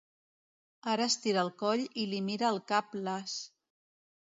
Ara estira el coll i li mira el cap las.